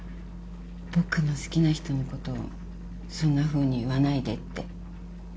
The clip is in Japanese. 「僕の好きな人のことをそんなふうに言わないで」って。